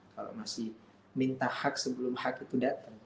kalau masih minta hak sebelum hak itu datang